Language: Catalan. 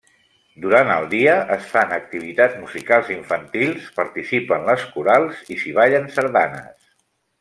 Durant el dia es fan activitats musicals, infantils, participen les corals i s'hi ballen sardanes.